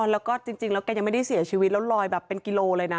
แล้วก็จริงแล้วแกยังไม่ได้เสียชีวิตแล้วลอยแบบเป็นกิโลเลยนะ